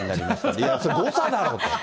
いや、それは誤差だろと。